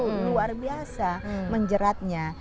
itu luar biasa menjeratnya